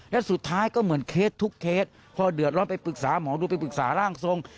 และสุดท้ายก็เหมือนเคสทุกเคสพเดือดร้อนไปปรึกษาหมอดูไปปรึกษาร่างทรง